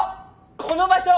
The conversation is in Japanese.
この場所！